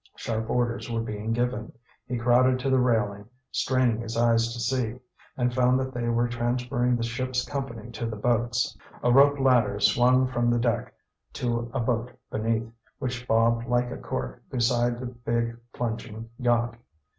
Sharp orders were being given. He crowded to the railing, straining his eyes to see, and found that they were transferring the ship's company to the boats, A rope ladder swung from the deck to a boat beneath, which bobbed like a cork beside, the big, plunging yacht.